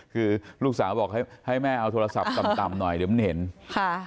คือลูกสาวบอกให้ให้แม่เอาโทรศัพท์ต่ำต่ำหน่อยเดี๋ยวมันเห็นค่ะ